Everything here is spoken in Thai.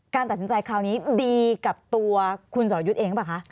ตัดสินใจคราวนี้ดีกับตัวคุณสรยุทธ์เองหรือเปล่าคะ